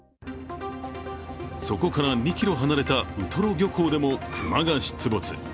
そこから２ｋｍ離れたウトロ漁港でも熊が出没。